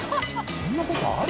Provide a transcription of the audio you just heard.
そんなことある？